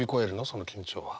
その緊張は。